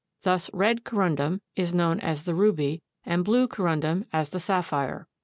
Thus red Corundum is known as the ruby and blue Corundum as the sapphire.